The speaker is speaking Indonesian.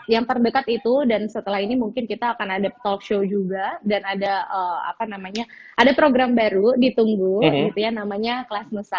yang terdekat itu dan setelah ini mungkin kita akan ada talk show juga dan ada program baru ditunggu gitu ya namanya kelas nusa